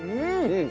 うん！